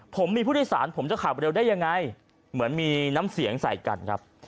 ผมมีผู้โดยสารผมจะขับเร็วได้ยังไงเหมือนมีน้ำเสียงใส่กันครับ